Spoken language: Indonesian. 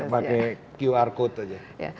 pakai qr code saja